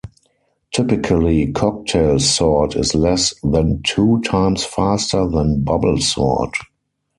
Typically cocktail sort is less than two times faster than bubble sort.